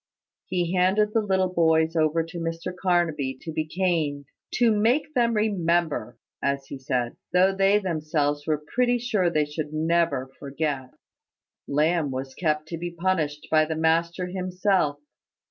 He handed the little boys over to Mr Carnaby to be caned "To make them remember," as he said; though they themselves were pretty sure they should never forget. Lamb was kept to be punished by the master himself.